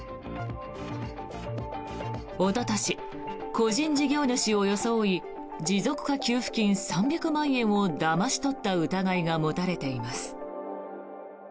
おととし、個人事業主を装い持続化給付金３００万円をだまし取った疑いが持たれています。